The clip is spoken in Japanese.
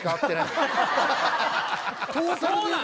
そうなの？